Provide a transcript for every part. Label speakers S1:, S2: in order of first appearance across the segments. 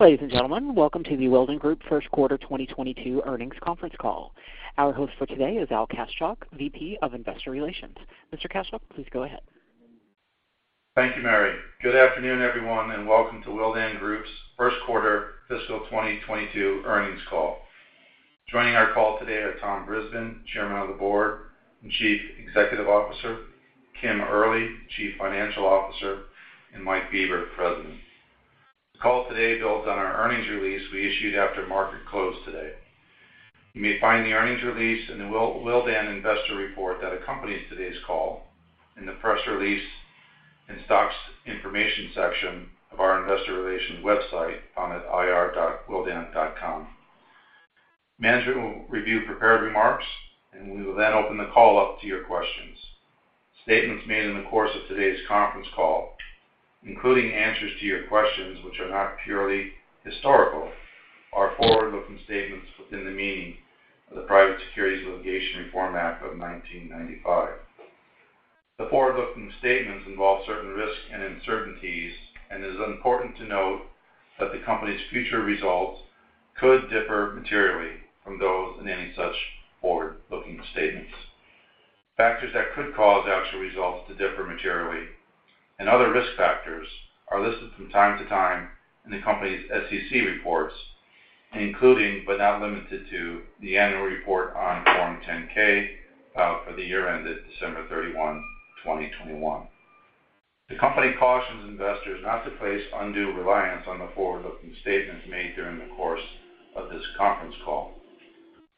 S1: Ladies and gentlemen, welcome to the Willdan Group Q1 2022 earnings conference call. Our host for today is Al Kaschalk, VP of Investor Relations. Mr. Kaschalk, please go ahead.
S2: Thank you, Mary. Good afternoon, everyone, and welcome to Willdan Group's Q1 fiscal 2022 earnings call. Joining our call today are Tom Brisbin, Chairman of the Board and Chief Executive Officer, Kim Early, Chief Financial Officer, and Mike Bieber, President. The call today builds on our earnings release we issued after market close today. You may find the earnings release in the Willdan investor report that accompanies today's call in the press release and stocks information section of our investor relations website at ir.willdan.com. Management will review prepared remarks, and we will then open the call up to your questions. Statements made in the course of today's conference call, including answers to your questions which are not purely historical, are forward-looking statements within the meaning of the Private Securities Litigation Reform Act of 1995. The forward-looking statements involve certain risks and uncertainties, and it is important to note that the company's future results could differ materially from those in any such forward-looking statements. Factors that could cause actual results to differ materially and other risk factors are listed from time to time in the company's SEC reports, including, but not limited to, the annual report on Form 10-K for the year ended December 31, 2021. The company cautions investors not to place undue reliance on the forward-looking statements made during the course of this conference call.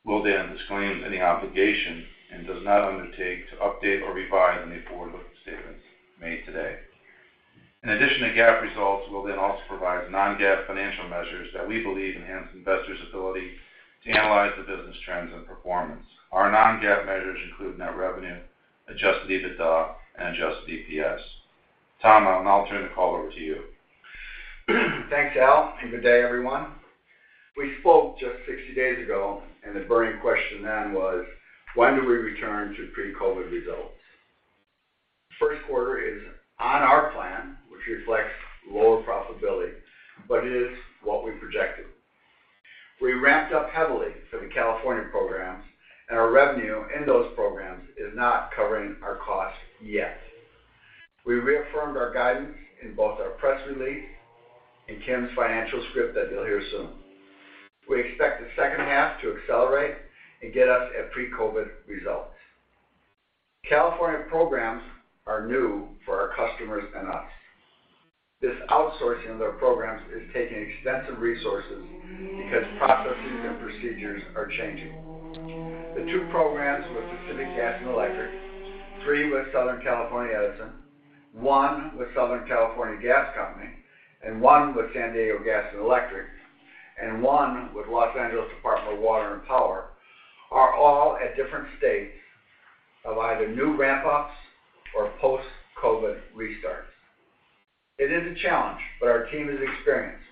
S2: Willdan disclaims any obligation and does not undertake to update or revise any forward-looking statements made today. In addition to GAAP results, Willdan also provides non-GAAP financial measures that we believe enhance investors' ability to analyze the business trends and performance. Our non-GAAP measures include net revenue, adjusted EBITDA, and adjusted EPS. Tom, I'll now turn the call over to you.
S3: Thanks, Al, and good day, everyone. We spoke just 60 days ago, and the burning question then was, when do we return to pre-COVID results? Q1 is on our plan, which reflects lower profitability, but it is what we projected. We ramped up heavily for the California programs, and our revenue in those programs is not covering our costs yet. We reaffirmed our guidance in both our press release and Kim's financial script that you'll hear soon. We expect the H2 to accelerate and get us at pre-COVID results. California programs are new for our customers and us. This outsourcing of their programs is taking extensive resources because processes and procedures are changing. The two programs with Pacific Gas and Electric, three with Southern California Edison, one with Southern California Gas Company, and one with San Diego Gas & Electric, and one with Los Angeles Department of Water and Power, are all at different states of either new ramp-ups or post-COVID restarts. It is a challenge, but our team is experienced,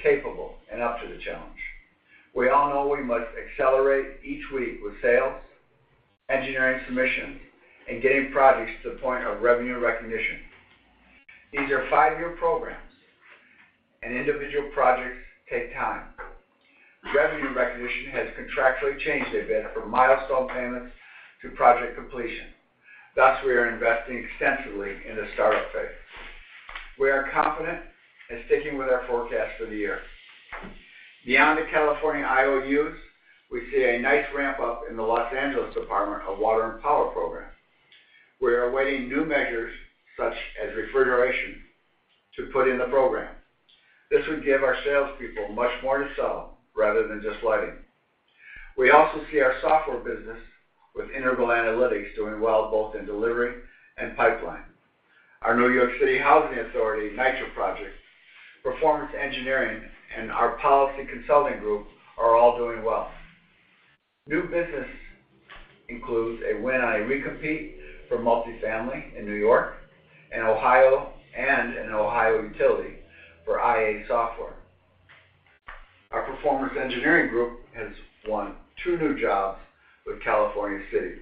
S3: capable, and up to the challenge. We all know we must accelerate each week with sales, engineering submissions, and getting projects to the point of revenue recognition. These are five-year programs, and individual projects take time. Revenue recognition has contractually changed a bit from milestone payments to project completion. Thus, we are investing extensively in the startup phase. We are confident in sticking with our forecast for the year. Beyond the California IOUs, we see a nice ramp-up in the Los Angeles Department of Water and Power program. We are awaiting new measures, such as refrigeration, to put in the program. This would give our salespeople much more to sell rather than just lighting. We also see our software business with Integral Analytics doing well both in delivery and pipeline. Our New York City Housing Authority Nitro project, performance engineering, and our policy consulting group are all doing well. New business includes a win on a recompete for multifamily in New York and Ohio and an Ohio utility for IA software. Our performance engineering group has won two new jobs with California cities.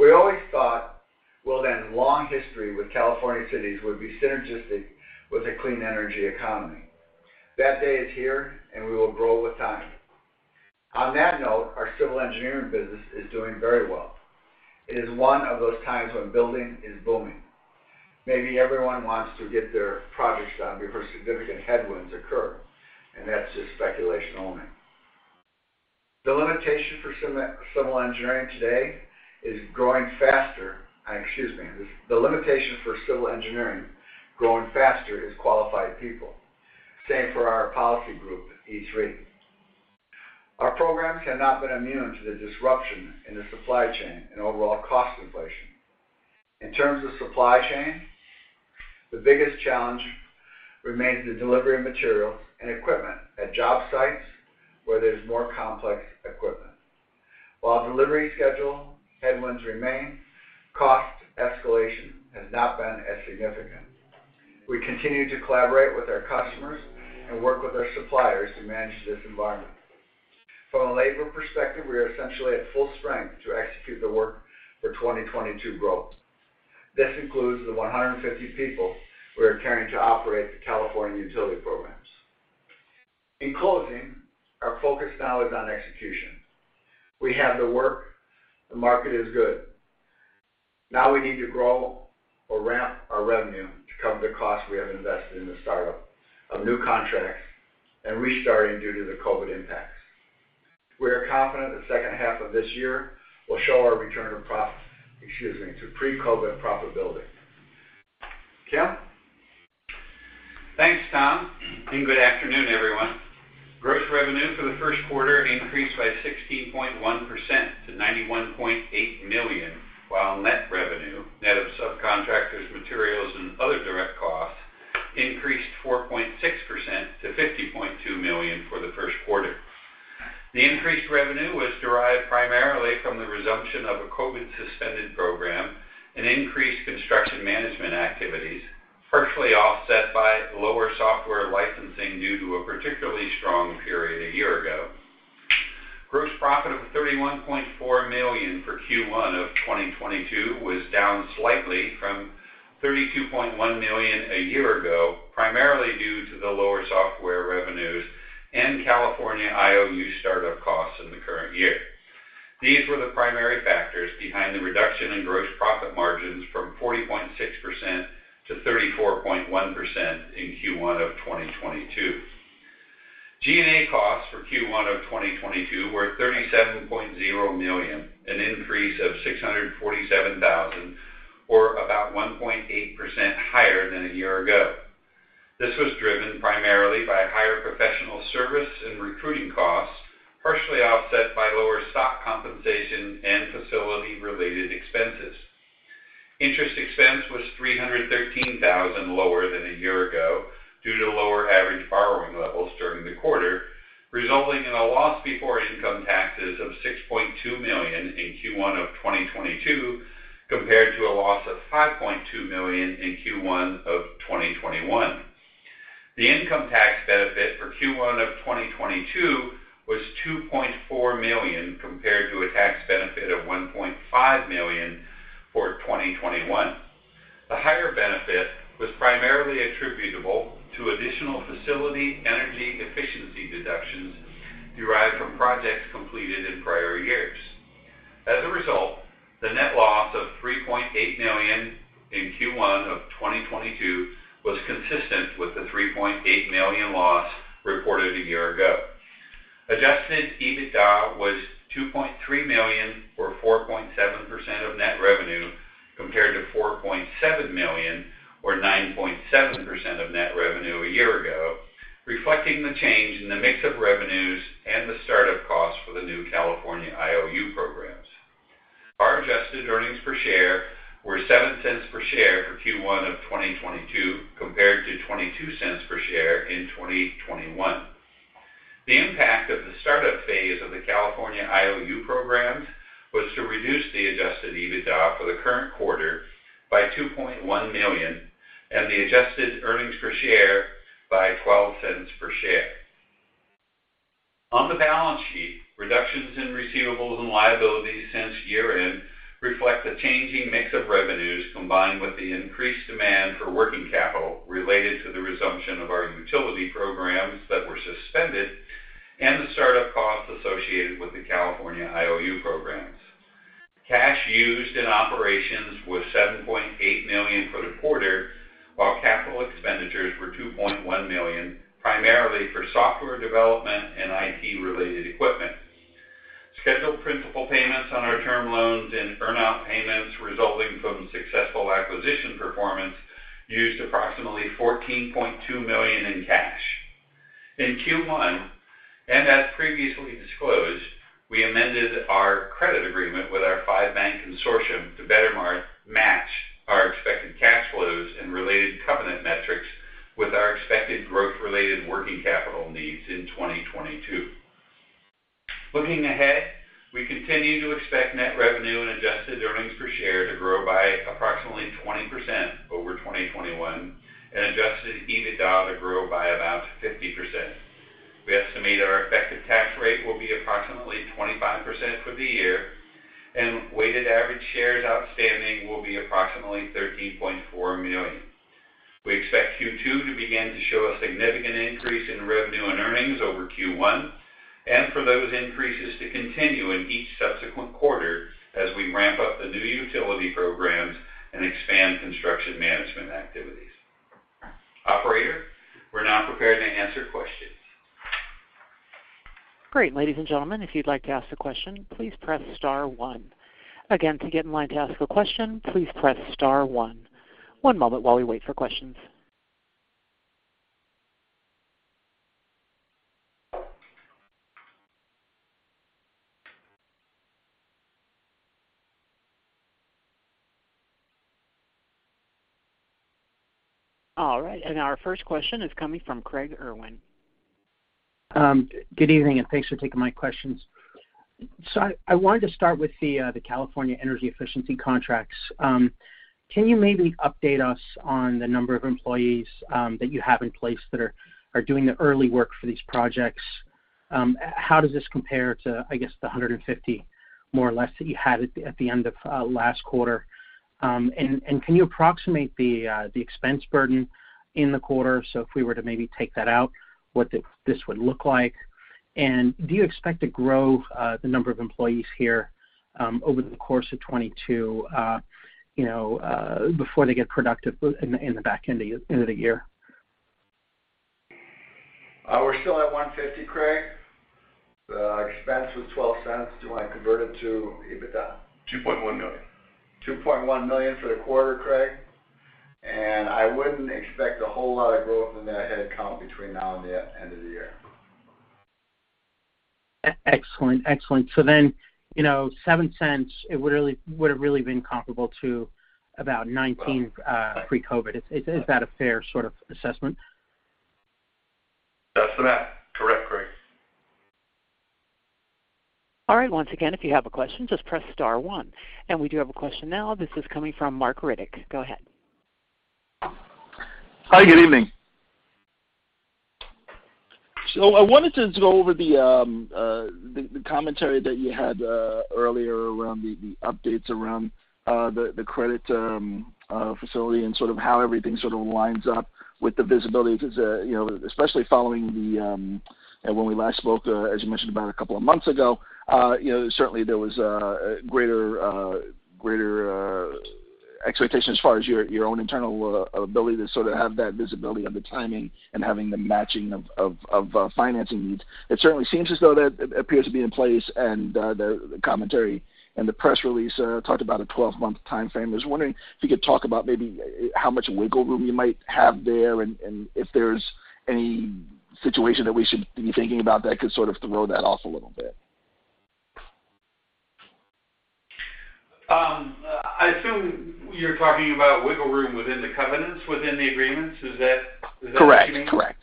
S3: We always thought Willdan's long history with California cities would be synergistic with a clean energy economy. That day is here, and we will grow with time. On that note, our civil engineering business is doing very well. It is one of those times when building is booming. Maybe everyone wants to get their projects done before significant headwinds occur, and that's just speculation only. The limitation for civil engineering growing faster is qualified people. Same for our policy group, E3. Our programs have not been immune to the disruption in the supply chain and overall cost inflation. In terms of supply chain, the biggest challenge remains the delivery of materials and equipment at job sites where there's more complex equipment. While delivery schedule headwinds remain, cost escalation has not been as significant. We continue to collaborate with our customers and work with our suppliers to manage this environment. From a labor perspective, we are essentially at full strength to execute the work for 2022 growth. This includes the 150 people we are carrying to operate the California utility programs. In closing, our focus now is on execution. We have the work. The market is good. Now we need to grow or ramp our revenue to cover the cost we have invested in the startup of new contracts and restarting due to the COVID impacts. We are confident the second half of this year will show our return to pre-COVID profitability. Kim?
S4: Thanks, Tom, and good afternoon, everyone. Gross revenue for the Q1 increased by 16.1% to $91.8 million, while net revenue, net of subcontractors, materials and other direct costs, increased 4.6% to $50.2 million for the Q1. The increased revenue was derived primarily from the resumption of a COVID-suspended program and increased construction management activities, partially offset by lower software licensing due to a particularly strong period a year ago. Gross profit of $31.4 million for Q1 of 2022 was down slightly from $32.1 million a year ago, primarily due to the lower software revenues and California IOU startup costs in the current year. These were the primary factors behind the reduction in gross profit margins from 40.6%-34.1% in Q1 of 2022. G&A costs for Q1 of 2022 were $37.0 million, an increase of $647,000, or about 1.8% higher than a year ago. This was driven primarily by higher professional service and recruiting costs, partially offset by lower stock compensation and facility-related expenses. Interest expense was $313,000 lower than a year ago due to lower average borrowing levels during the quarter, resulting in a loss before income taxes of $6.2 million in Q1 of 2022, compared to a loss of $5.2 million in Q1 of 2021. The income tax benefit for Q1 of 2022 was $2.4 million, compared to a tax benefit of $1.5 million for 2021. The higher benefit was primarily attributable to additional facility energy efficiency deductions derived from projects completed in prior years. As a result, the net loss of $3.8 million in Q1 of 2022 was consistent with the $3.8 million loss reported a year ago. Adjusted EBITDA was $2.3 million or 4.7% of net revenue, compared to $4.7 million or 9.7% of net revenue a year ago, reflecting the change in the mix of revenues and the startup costs for the new California IOU programs. Our adjusted earnings per share were $0.07 per share for Q1 of 2022, compared to $0.22 per share in 2021. The impact of the startup phase of the California IOU programs was to reduce the adjusted EBITDA for the current quarter by $2.1 million and the adjusted earnings per share by $0.12 per share. On the balance sheet, reductions in receivables and liabilities since year-end reflect the changing mix of revenues, combined with the increased demand for working capital related to the resumption of our utility programs that were suspended and the startup costs associated with the California IOU programs. Cash used in operations was $7.8 million for the quarter, while capital expenditures were $2.1 million, primarily for software development and IT-related equipment. Scheduled principal payments on our term loans and earn-out payments resulting from successful acquisition performance used approximately $14.2 million in cash. In Q1, and as previously disclosed, we amended our credit agreement with our five-bank consortium to better match our expected cash flows and related covenant metrics with our expected growth-related working capital needs in 2022. Looking ahead, we continue to expect net revenue and adjusted earnings per share to grow by approximately 20% over 2021 and adjusted EBITDA to grow by about 50%. We estimate our effective tax rate will be approximately 25% for the year, and weighted average shares outstanding will be approximately $13.4 million. We expect Q2 to begin to show a significant increase in revenue and earnings over Q1 and for those increases to continue in each subsequent quarter as we ramp up the new utility programs and expand construction management activities. Operator, we're now prepared to answer questions.
S1: Great. Ladies and gentlemen, if you'd like to ask a question, please press star one. Again, to get in line to ask a question, please press star one. One moment while we wait for questions. All right, our first question is coming from Craig Irwin.
S5: Good evening, and thanks for taking my question. I wanted to start with the California energy efficiency contracts. Can you maybe update us on the number of employees that you have in place that are doing the early work for these projects? How does this compare to, I guess, the 150 more or less that you had at the end of last quarter? Can you approximate the expense burden in the quarter? If we were to maybe take that out, what this would look like? Do you expect to grow the number of employees here over the course of 2022, you know, before they get productive in the back end of the year?
S4: We're still at $150, Craig. The expense was $0.12. Do you want to convert it to EBITDA?
S6: $2.1 million.
S4: $2.1 million for the quarter, Craig. I wouldn't expect a whole lot of growth in that headcount between now and the end of the year.
S5: Excellent. Excellent. You know, $0.07, it would really have been comparable to about 19 pre-COVID. Is that a fair sort of assessment?
S4: That's about correct, Craig.
S1: All right, once again, if you have a question, just press star one. We do have a question now. This is coming from Marc Riddick. Go ahead.
S7: Hi, good evening. I wanted to go over the commentary that you had earlier around the updates around the credit facility and sort of how everything sort of lines up with the visibility to the, you know, especially following when we last spoke, as you mentioned about a couple of months ago. You know, certainly there was a greater expectation as far as your own internal ability to sort of have that visibility of the timing and having the matching of financing needs. It certainly seems as though that appears to be in place and the commentary and the press release talked about a 12-month timeframe. I was wondering if you could talk about maybe how much wiggle room you might have there and if there's any situation that we should be thinking about that could sort of throw that off a little bit?
S3: I assume you're talking about wiggle room within the covenants, within the agreements. Is that what you mean?
S7: Correct.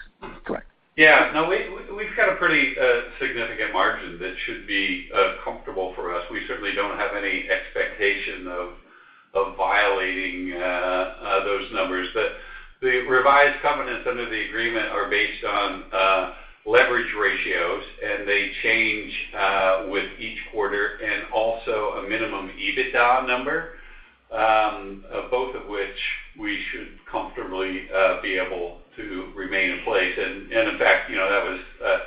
S3: Yeah. No, we've got a pretty significant margin that should be comfortable for us. We certainly don't have any expectation of violating those numbers. But the revised covenants under the agreement are based on leverage ratios, and they change with each quarter and also a minimum EBITDA number, both of which we should comfortably be able to remain in place. In fact, you know, that was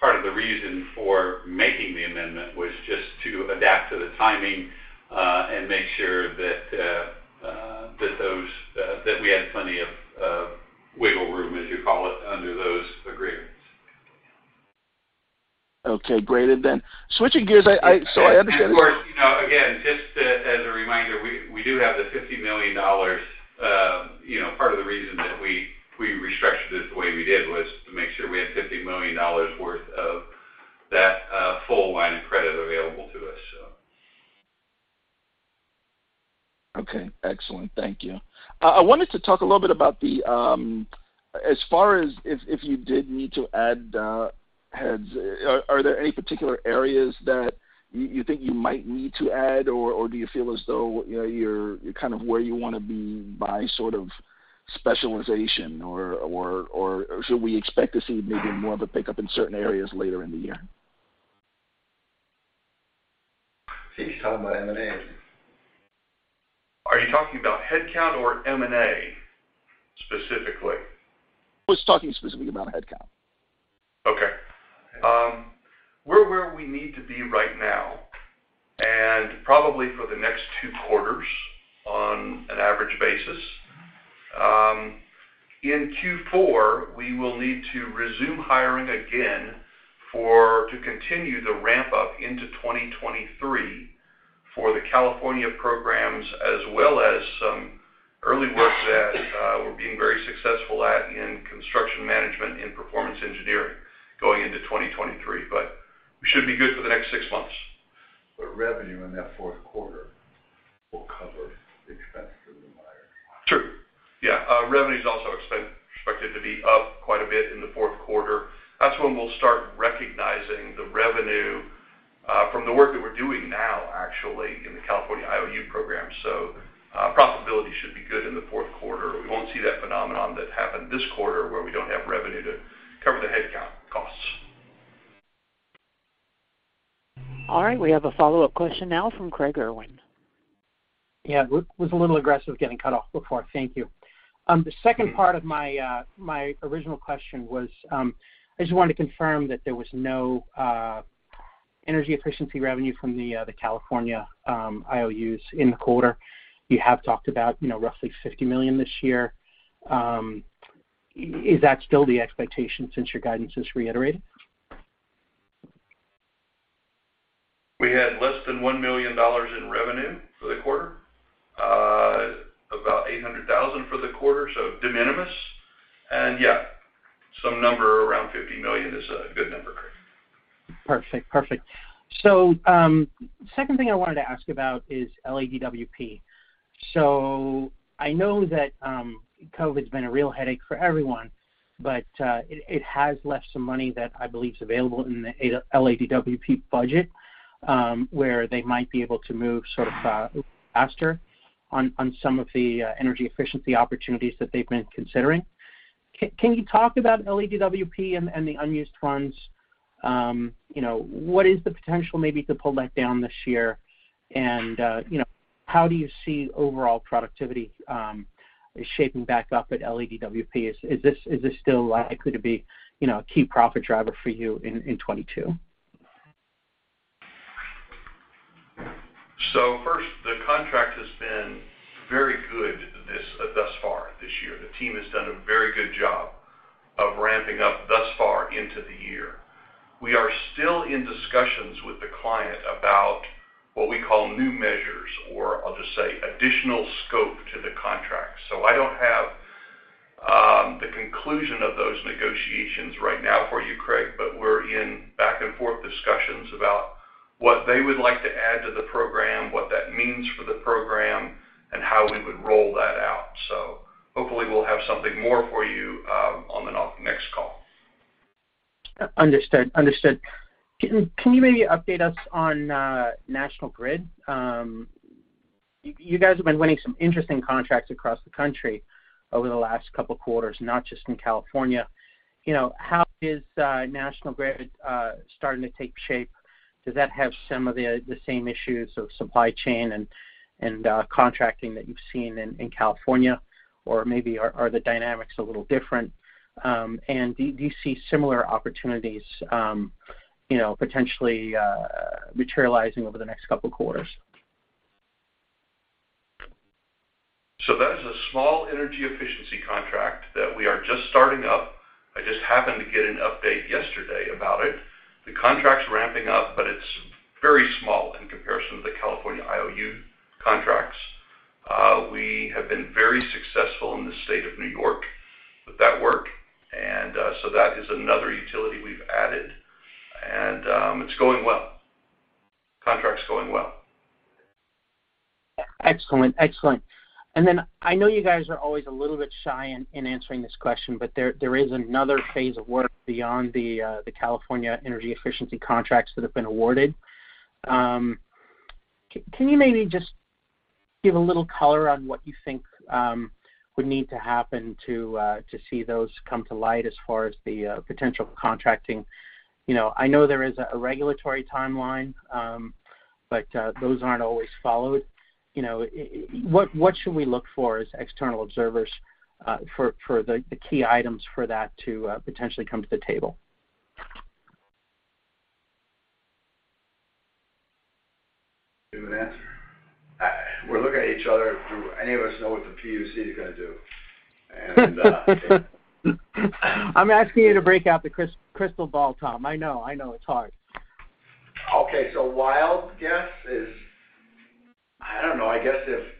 S3: part of the reason for making the amendment was just to adapt to the timing and make sure that we had plenty of wiggle room, as you call it, under those agreements.
S7: Okay. Great. Switching gears. Sorry, I understand.
S3: Of course, you know, again, just as a reminder, we do have the $50 million. You know, part of the reason that we restructured it the way we did was to make sure we had $50 million worth of that full line of credit available to us.
S7: Okay, excellent. Thank you. I wanted to talk a little bit about the as far as if you did need to add heads, are there any particular areas that you think you might need to add, or do you feel as though, you know, you're kind of where you wanna be by sort of specialization or should we expect to see maybe more of a pickup in certain areas later in the year?
S4: I think he's talking about M&A.
S6: Are you talking about headcount or M&A specifically?
S7: Was talking specifically about headcount.
S6: Okay. We're where we need to be right now and probably for the next two quarters on an average basis. In Q4, we will need to resume hiring again to continue the ramp up into 2023 for the California programs, as well as some early work that we're being very successful at in construction management, in performance engineering going into 2023. We should be good for the next six months.
S4: Revenue in that Q4 will cover the expense for the hires.
S3: True. Yeah. Revenue is also expected to be up quite a bit in theQ4. That's when we'll start recognizing the revenue from the work that we're doing now, actually, in the California IOU program. Profitability should be good in the Q4. We won't see that phenomenon that happened this quarter where we don't have revenue to cover the headcount costs.
S1: All right. We have a follow-up question now from Craig Irwin.
S5: Yeah. Was a little aggressive getting cut off before. Thank you. The second part of my original question was, I just wanted to confirm that there was no energy efficiency revenue from the California IOUs in the quarter. You have talked about, you know, roughly $50 million this year. Is that still the expectation since your guidance is reiterated?
S3: We had less than $1 million in revenue for the quarter, about $800,000 for the quarter, so de minimis. Yeah, some number around $50 million is a good number, Craig.
S5: Perfect. Second thing I wanted to ask about is LADWP. I know that COVID's been a real headache for everyone. It has left some money that I believe is available in the LADWP budget, where they might be able to move sort of faster on some of the energy efficiency opportunities that they've been considering. Can you talk about LADWP and the unused funds? You know, what is the potential maybe to pull that down this year? You know, how do you see overall productivity shaping back up at LADWP? Is this still likely to be, you know, a key profit driver for you in 2022?
S3: First, the contract has been very good thus far this year. The team has done a very good job of ramping up thus far into the year. We are still in discussions with the client about what we call new measures, or I'll just say additional scope to the contract. I don't have the conclusion of those negotiations right now for you, Craig, but we're in back-and-forth discussions about what they would like to add to the program, what that means for the program, and how we would roll that out. Hopefully, we'll have something more for you on the next call.
S5: Understood. Can you maybe update us on National Grid? You guys have been winning some interesting contracts across the country over the last couple quarters, not just in California. You know, how is National Grid starting to take shape? Does that have some of the same issues of supply chain and contracting that you've seen in California? Maybe are the dynamics a little different? Do you see similar opportunities, you know, potentially materializing over the next couple quarters?
S3: That is a small energy efficiency contract that we are just starting up. I just happened to get an update yesterday about it. The contract's ramping up, but it's very small in comparison to the California IOU contracts. We have been very successful in the state of New York with that work. That is another utility we've added. It's going well. Contract's going well.
S5: Excellent. Then I know you guys are always a little bit shy in answering this question, but there is another phase of work beyond the California energy efficiency contracts that have been awarded. Can you maybe just give a little color on what you think would need to happen to see those come to light as far as the potential contracting? You know, I know there is a regulatory timeline, but those aren't always followed. You know, what should we look for as external observers for the key items for that to potentially come to the table?
S3: Give an answer? We're looking at each other. Do any of us know what the PUC is gonna do?
S5: I'm asking you to break out the crystal ball, Tom. I know. I know it's hard.
S3: Okay. Wild guess is, I don't know, I guess if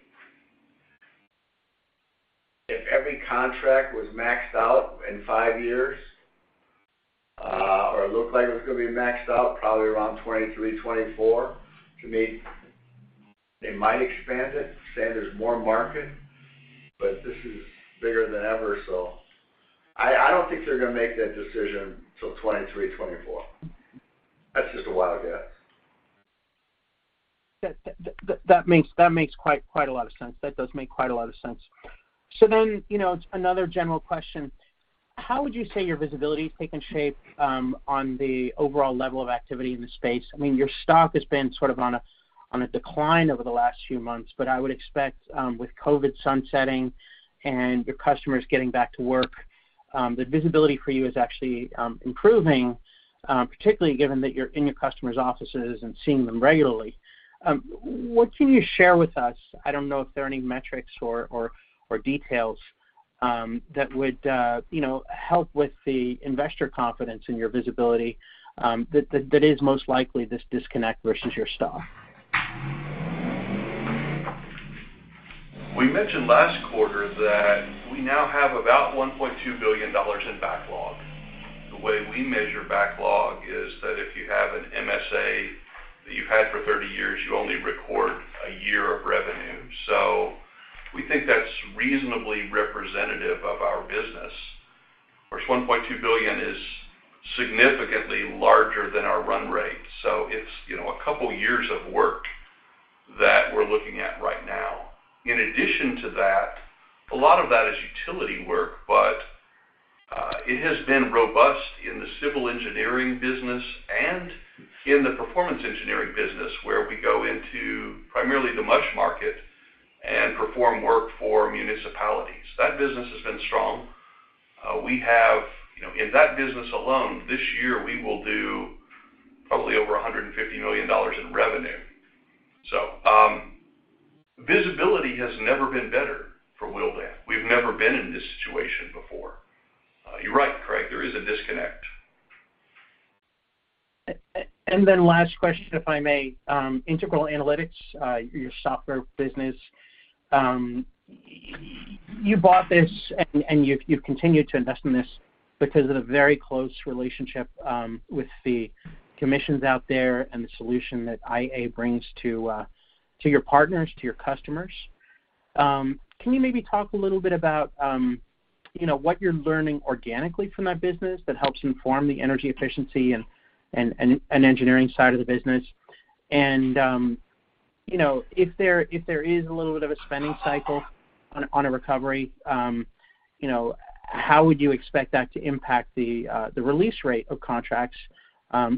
S3: every contract was maxed out in five years, or looked like it was gonna be maxed out probably around 2023-2024, to me, they might expand it, say there's more market. This is bigger than ever, I don't think they're gonna make that decision till 2023-2024. That's just a wild guess.
S5: That makes quite a lot of sense. That does make quite a lot of sense. You know, another general question. How would you say your visibility's taken shape on the overall level of activity in the space? I mean, your stock has been sort of on a decline over the last few months, but I would expect with COVID sunsetting and your customers getting back to work, the visibility for you is actually improving, particularly given that you're in your customers' offices and seeing them regularly. What can you share with us? I don't know if there are any metrics or details that would you know help with the investor confidence in your visibility that is most likely this disconnect versus your stock?
S3: We mentioned last quarter that we now have about $1.2 billion in backlog. The way we measure backlog is that if you have an MSA that you've had for 30 years, you only record a year of revenue. We think that's reasonably representative of our business. Of course, $1.2 billion is significantly larger than our run rate, so it's, you know, a couple years of work that we're looking at right now. In addition to that, a lot of that is utility work, but it has been robust in the civil engineering business and in the performance engineering business, where we go into primarily the MUSH market and perform work for municipalities. That business has been strong. You know, in that business alone, this year, we will do probably over $150 million in revenue. Visibility has never been better for Willdan. We've never been in this situation before. You're right, Craig, there is a disconnect.
S5: Last question, if I may. Integral Analytics, your software business, you bought this and you've continued to invest in this because of the very close relationship with the commissions out there and the solution that IA brings to your partners, to your customers. Can you maybe talk a little bit about, you know, what you're learning organically from that business that helps inform the energy efficiency and engineering side of the business? You know, if there is a little bit of a spending cycle on a recovery, you know, how would you expect that to impact the release rate of contracts,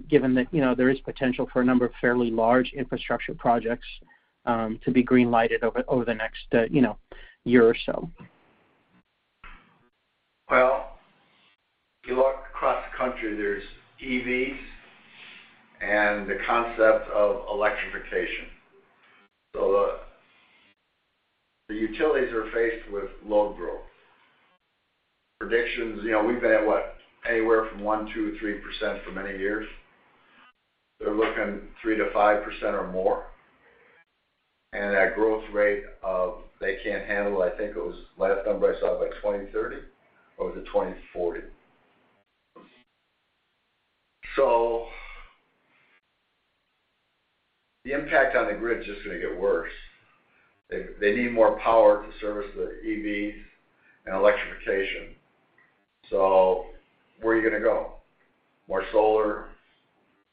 S5: given that, you know, there is potential for a number of fairly large infrastructure projects to be green-lighted over the next year or so?
S3: Well, you look across the country, there's EVs and the concept of electrification. The utilities are faced with load growth. Predictions, you know, we've been at what? Anywhere from 1%, 2%, 3% for many years. They're looking 3%-5% or more. That growth rate they can't handle, I think it was. Last number I saw was, like, 2030 or was it 2040. The impact on the grid is just gonna get worse. They need more power to service the EVs and electrification. Where are you gonna go? More solar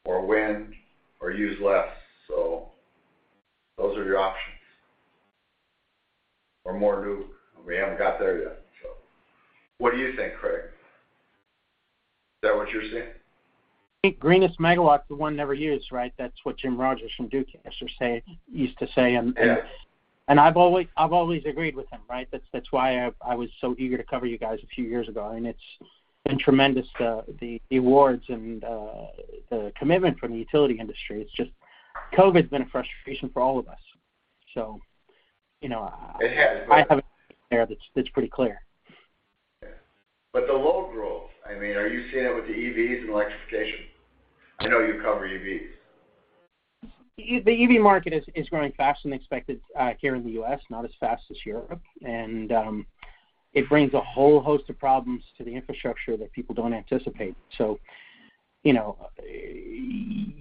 S3: or wind or use less. Those are your options. Or more nuke. We haven't got there yet. What do you think, Craig? Is that what you're seeing?
S5: The greenest megawatt's the one never used, right? That's what Jim Rogers from Duke Energy used to say.
S3: Yes.
S5: I've always agreed with him, right? That's why I was so eager to cover you guys a few years ago, and it's been tremendous, the awards and the commitment from the utility industry. It's just COVID's been a frustration for all of us. You know.
S3: It has.
S5: I have it there, that's pretty clear.
S3: Yeah. The load growth, I mean, are you seeing it with the EVs and electrification? I know you cover EVs.
S5: The EV market is growing faster than expected here in the U.S., not as fast as Europe. It brings a whole host of problems to the infrastructure that people don't anticipate. You know,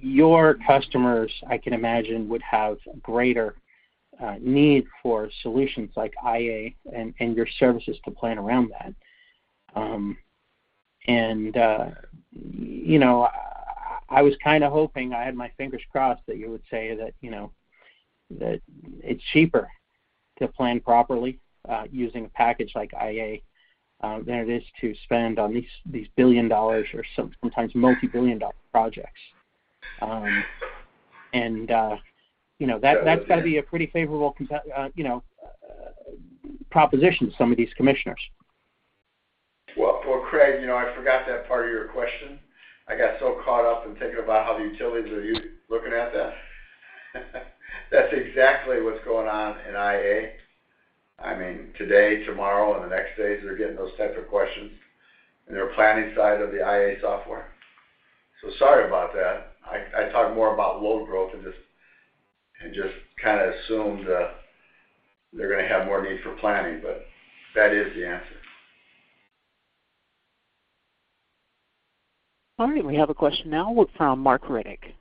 S5: your customers, I can imagine, would have greater need for solutions like IA and your services to plan around that. You know, I was kinda hoping, I had my fingers crossed, that you would say that, you know, that it's cheaper to plan properly using a package like IA than it is to spend on these $1 billion or sometimes multi-billion dollar projects.
S3: Yeah.
S5: That's gotta be a pretty favorable proposition to some of these commissioners.
S3: Well, well, Craig, you know, I forgot that part of your question. I got so caught up in thinking about how the utilities are you looking at that. That's exactly what's going on in IA. I mean, today, tomorrow, and the next days, they're getting those type of questions in their planning side of the IA software. Sorry about that. I talked more about load growth and just kinda assumed they're gonna have more need for planning, but that is the answer.
S1: All right, we have a question now from Marc Riddick.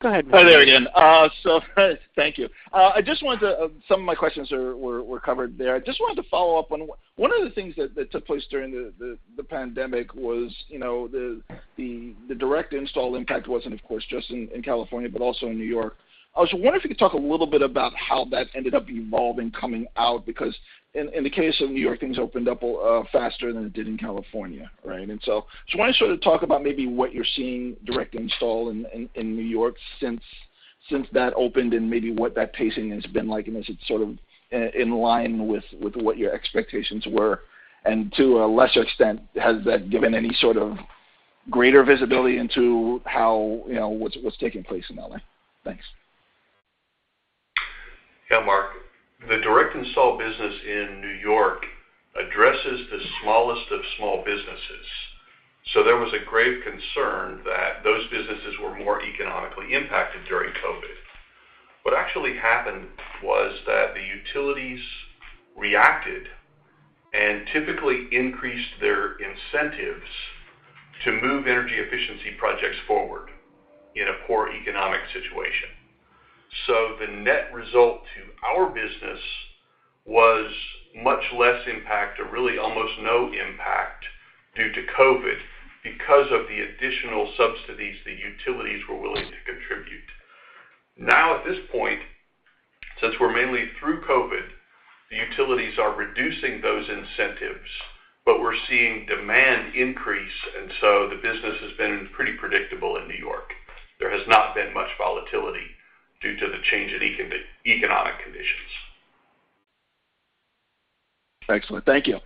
S1: Go ahead, Marc.
S7: Hi there again. So thank you. Some of my questions were covered there. I just wanted to follow up on one. One of the things that took place during the pandemic was, you know, the direct install impact wasn't, of course, just in California, but also in New York. I was wondering if you could talk a little bit about how that ended up evolving coming out because in the case of New York, things opened up faster than it did in California, right? Just wanna sort of talk about maybe what you're seeing direct install in New York since that opened and maybe what that pacing has been like, and is it sort of in line with what your expectations were? To a lesser extent, has that given any sort of greater visibility into how, you know, what's taking place in LA? Thanks.
S3: Yeah, Marc. The direct install business in New York addresses the smallest of small businesses. There was a grave concern that those businesses were more economically impacted during COVID. What actually happened was that the utilities reacted and typically increased their incentives to move energy efficiency projects forward in a poor economic situation. The net result to our business was much less impact or really almost no impact due to COVID because of the additional subsidies the utilities were willing to contribute. Now, at this point, since we're mainly through COVID, the utilities are reducing those incentives, but we're seeing demand increase, and so the business has been pretty predictable in New York. There has not been much volatility due to the change in economic conditions.
S7: Excellent. Thank you.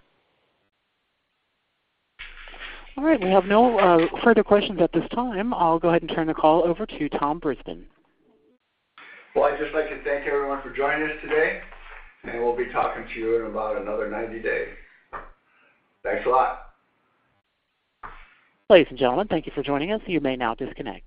S1: All right. We have no further questions at this time. I'll go ahead and turn the call over to Tom Brisbin.
S3: Well, I'd just like to thank everyone for joining us today, and we'll be talking to you in about another 90 days. Thanks a lot.
S1: Ladies and gentlemen, thank you for joining us. You may now disconnect.